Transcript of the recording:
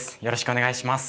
お願いいたします。